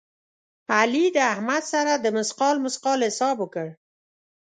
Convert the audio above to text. علي د احمد سره د مثقال مثقال حساب وکړ.